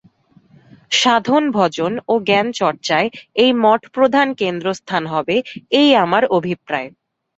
সাধন-ভজন ও জ্ঞানচর্চায় এই মঠ প্রধান কেন্দ্রস্থান হবে, এই আমার অভিপ্রায়।